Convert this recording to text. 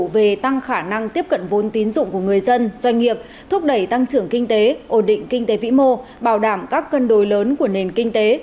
về tăng khả năng tiếp cận vốn tín dụng của người dân doanh nghiệp thúc đẩy tăng trưởng kinh tế ổn định kinh tế vĩ mô bảo đảm các cân đối lớn của nền kinh tế